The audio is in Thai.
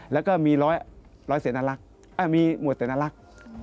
แล้วก็มีร้อยเศรษฐ์นักลักษณ์มีหมวดเศรษฐ์นักลักษณ์